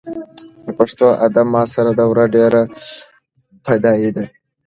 د پښتو ادب معاصره دوره ډېره بډایه ده.